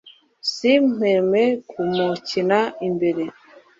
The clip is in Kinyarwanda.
simpweme kumukina imbere